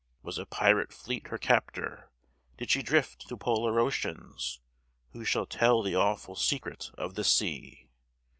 Was a pirate fleet her captor? Did she drift to polar oceans? Who shall tell the awful secret of the sea!